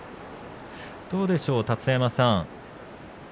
どうでしょう、立田山さん。